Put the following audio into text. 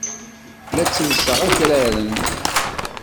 La ttellseɣ akraren.